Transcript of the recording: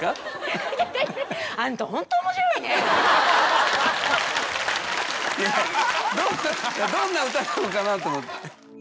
いやどんな歌なのかなと思って。